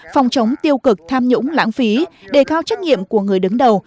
phòng chống tiêu cực tham nhũng lãng phí đề cao trách nhiệm của người đứng đầu